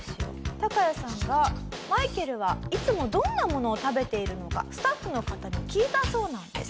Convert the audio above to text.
タカヤさんがマイケルはいつもどんなものを食べているのかスタッフの方に聞いたそうなんです。